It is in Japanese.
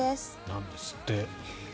なんですって。